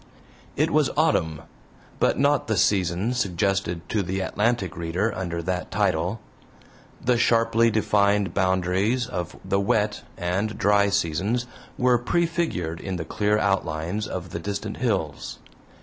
It was autumn, but not the season suggested to the Atlantic reader under that title. The sharply defined boundaries of the wet and dry seasons were prefigured in the clear outlines of the distant hills.